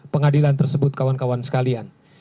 pengadilan tersebut kawan kawan sekalian